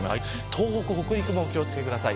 東北、北陸もお気を付けください。